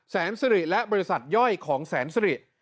แสนสิริและบริษัทย่อยของแสนสิริ